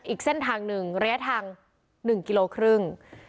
อีกเส้นทางหนึ่งระยะทาง๑กิโลครึ่ง